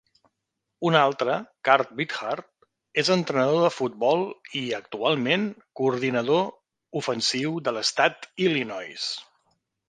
Un altre, Kurt Beathard, és entrenador de futbol i, actualment, coordinador ofensiu de l'estat Illinois.